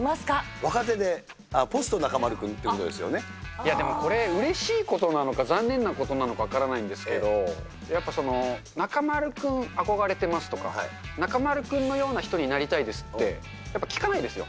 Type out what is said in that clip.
若手で、ポスト中丸君というでもこれ、うれしいことなのか、残念なことなのか分からないんですけど、やっぱ、中丸君、憧れてますとか、中丸君のような人になりたいですって、やっぱ聞かないんですよ。